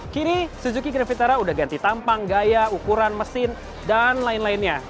kini suzuki grand vitara udah ganti tampang gaya ukuran mesin dan lain lainnya